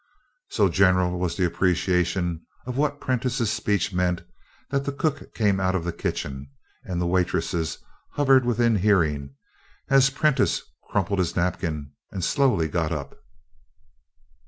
So general was the appreciation of what Prentiss's speech meant that the cook came out of the kitchen and the waitresses hovered within hearing as Prentiss crumpled his napkin and slowly got up.